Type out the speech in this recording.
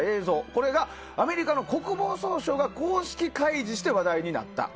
これがアメリカの国防総省が公式開示して話題となった。